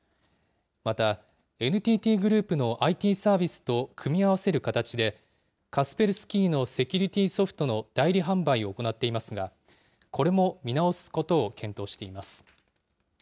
また、ＮＴＴグループのＩＴサービスと組み合わせる形で、カスペルスキーのセキュリティーソフトの代理販売を行っていますが、これも見直すことを検討しています。